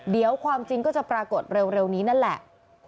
เดี๋ยวความจริงก็จะปรากฏเร็วนี้นั่นแหละ